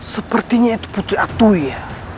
sepertinya itu putri atu ya